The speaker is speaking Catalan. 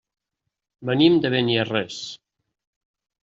Venim de Beniarrés.